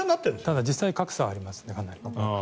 ただ実際格差はあります。